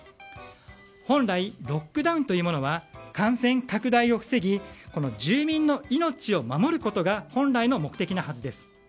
本来ロックダウンというものは感染拡大を防ぎ住民の命を守ることが本来の目的のはずです。